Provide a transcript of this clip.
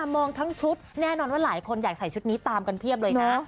มองทั้งชุดแน่นอนว่าหลายคนอยากใส่ชุดนี้ตามกันเพียบเลยนะ